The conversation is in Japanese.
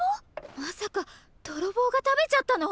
まさかどろぼうが食べちゃったの！？